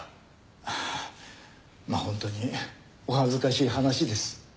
ああまあ本当にお恥ずかしい話です。